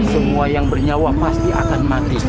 semua yang bernyawa pasti akan mati